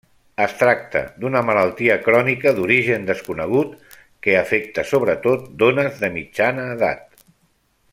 Es tracta d’una malaltia crònica d’origen desconegut, que afecta sobretot dones de mitjana edat.